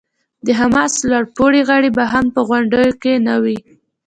د حماس لوړ پوړي غړي به هم په غونډه کې نه وي.